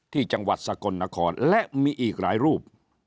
จังหวัดสกลนครและมีอีกหลายรูป